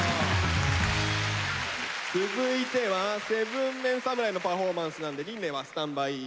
続いては７ＭＥＮ侍のパフォーマンスなんで琳寧はスタンバイお願いします。